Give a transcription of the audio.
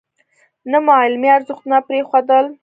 نه مو علمي ارزښتونه پرېښودل.